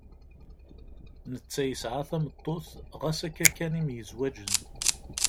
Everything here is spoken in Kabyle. Netta yesɛa tameṭṭut, ɣas akka kan i myezwaǧen.